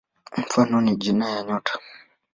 Mfano ni majina ya nyota.